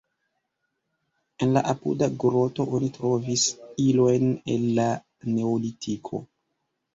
En la apuda groto oni trovis ilojn el la neolitiko.